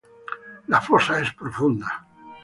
La fosa es profunda.